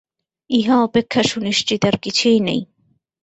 ইহা অপেক্ষা সুনিশ্চিত আর কিছুই নাই।